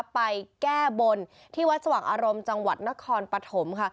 ไปแก้บนที่วัดสว่างอารมณ์จังหวัดนครปฐมค่ะ